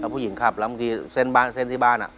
แล้วผู้หญิงขับแล้วบางทีเส้นเบาะที่บ้าน